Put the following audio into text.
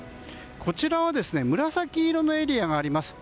こちらは紫色のエリアがあります。